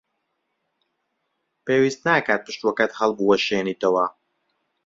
پێویست ناکات پشووەکەت هەڵبوەشێنیتەوە.